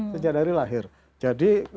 sejak dari lahir jadi